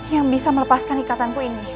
yang bisa melepaskan ikatanku ini